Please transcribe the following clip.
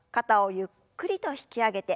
ゆっくりと引き上げて。